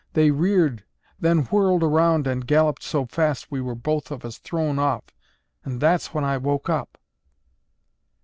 They reared—then whirled around and galloped so fast we were both of us thrown off and that's when I woke up."